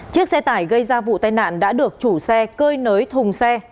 chiếc xe tải gây ra vụ tai nạn đã được chủ xe cơi nới thùng xe